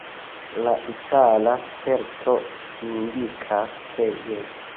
La itala sperto indikas, ke jes.